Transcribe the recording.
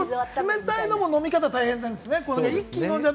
冷たいのも飲み方大変ですよね。